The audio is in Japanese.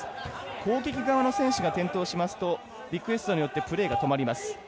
攻撃側の選手が転倒しますとリクエストによってプレーが止まります。